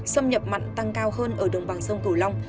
xâm nhập mặn tăng cao hơn ở đồng bằng sông cửu long